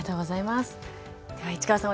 では市川さん